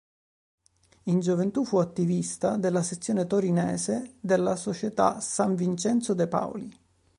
In gioventù fu attivista della sezione torinese della Società San Vincenzo De Paoli.